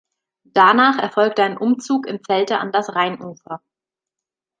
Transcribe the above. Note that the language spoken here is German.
Danach erfolgte ein Umzug in Zelte an das Rheinufer.